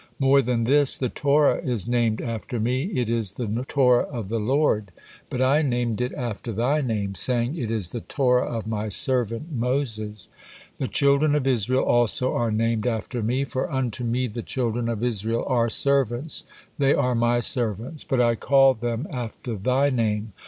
More than this, the Torah is named after Me, it is the Torah of the Lord, but I named it after Thy name, saying, 'It is the Torah of My servant Moses.' The children of Israel also are named after Me, 'for unto Me the children of Israel are servants; they are My servants,' but I called them after thy name.